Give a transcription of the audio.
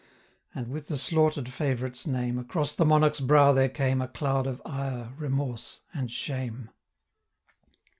And, with the slaughter'd favourite's name, 445 Across the Monarch's brow there came A cloud of ire, remorse, and shame.